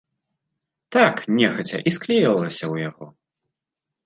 Так, нехаця, і склеілася ў яго.